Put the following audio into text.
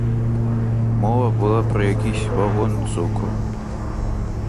Мова була про якийсь вагон цукру.